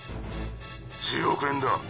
１０億円だ！